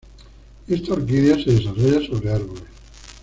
Esta orquídea se desarrolla sobre árboles.